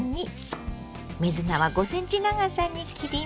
水菜は５ｃｍ長さに切ります。